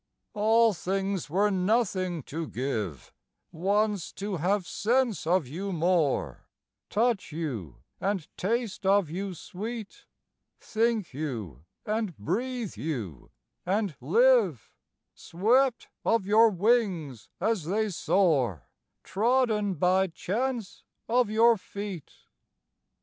All things were nothing to give Once to have sense of you more, Touch you and taste of you sweet, Think you and breathe you and live, Swept of your wings as they soar, Trodden by chance of your feet.